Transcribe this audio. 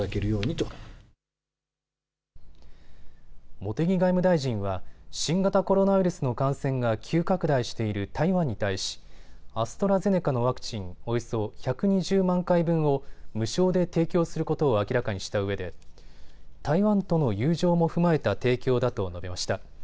茂木外務大臣は新型コロナウイルスの感染が急拡大している台湾に対しアストラゼネカのワクチンおよそ１２０万回分を無償で提供することを明らかにしたうえで台湾との友情も踏まえた提供だと述べました。